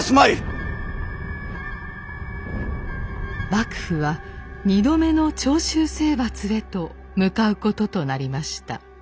幕府は２度目の長州征伐へと向かうこととなりました。